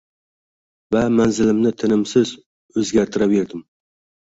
Va manzilimni tinimsiz o’zgartiraverdim.